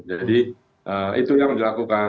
jadi itu yang harus dilakukan